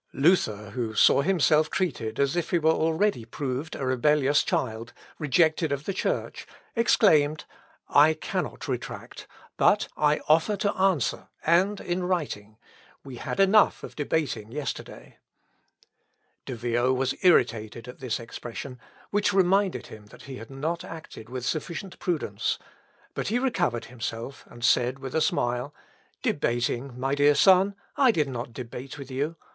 Luther, who saw himself treated as if he were already proved a rebellious child, rejected of the Church, exclaimed, "I cannot retract; but I offer to answer, and in writing. "We had enough of debating yesterday." "Digladiatum," battled. (Luth. Ep. i, p. 181.) De Vio was irritated at this expression, which reminded him that he had not acted with sufficient prudence; but he recovered himself, and said with a smile, "Debating, my dear son! I did not debate with you.